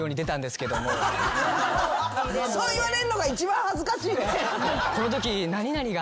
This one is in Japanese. そう言われるのが一番恥ずかしいね。